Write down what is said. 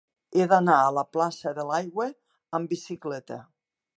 He d'anar a la plaça de l'Aigua amb bicicleta.